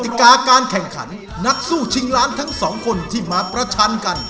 ติกาการแข่งขันนักสู้ชิงล้านทั้งสองคนที่มาประชันกัน